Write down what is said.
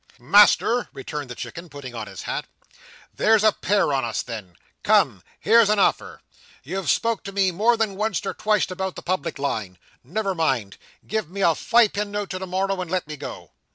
"Master," returned the Chicken, putting on his hat, "there's a pair on us, then. Come! Here's a offer! You've spoke to me more than once"t or twice't about the public line. Never mind! Give me a fi'typunnote to morrow, and let me go."